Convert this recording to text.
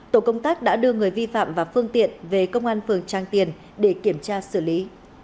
tổ công tác đã đưa người vi phạm và phương tiện về công an phường trang tiền để kiểm tra xử lý